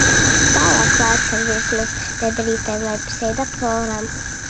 Vēlāk klātas ar virsmas bedrītēm vai pseidoporām.